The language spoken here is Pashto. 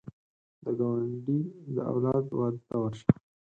د ګاونډي د اولاد واده ته ورشه